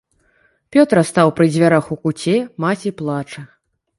Пётра стаў пры дзвярах у куце, маці плача.